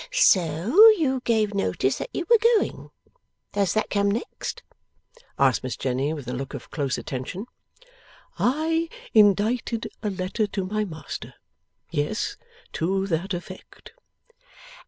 So you gave notice that you were going? Does that come next?' asked Miss Jenny with a look of close attention. 'I indited a letter to my master. Yes. To that effect.